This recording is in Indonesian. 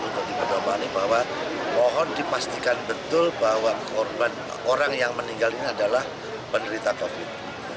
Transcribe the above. untuk diperdoa bahwa mohon dipastikan betul bahwa orang yang meninggal ini adalah penderita covid sembilan belas